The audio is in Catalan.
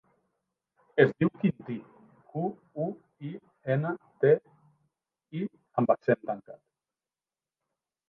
Es diu Quintí: cu, u, i, ena, te, i amb accent tancat.